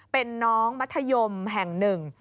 เป็นน้องมัธยมแห่งหนึ่ง